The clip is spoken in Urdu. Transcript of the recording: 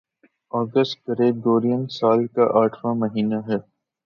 اگست گریگورین سال کا آٹھواں مہینہ ہے